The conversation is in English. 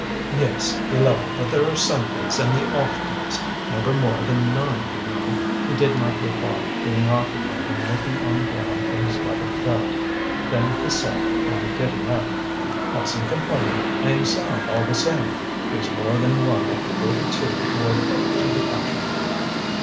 "Yes, eleven, but there are Sundays and the off days. Never more than nine, you know." He did not reply, being occupied in looking on the ground for his leather belt. Then he said, on getting up: "Mustn't complain. I am sound all the same. There's more than one at forty two who are put to the patching."